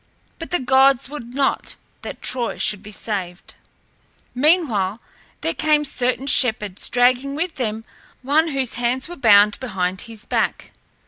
But the gods would not that Troy should be saved. Meanwhile there came certain shepherds dragging with them one whose hands were bound behind his back.